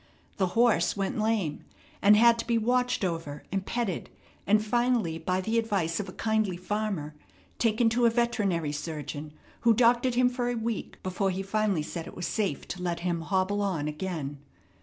The horse went lame, and had to be watched over and petted, and finally, by the advice of a kindly farmer, taken to a veterinary surgeon, who doctored him for a week before he finally said it was safe to let him hobble on again.